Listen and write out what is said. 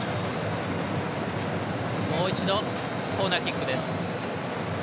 もう一度、コーナーキックです。